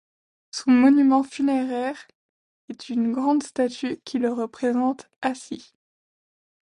Son monument funéraire est une grande statue qui le représente assis.